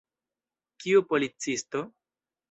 Kiu policisto?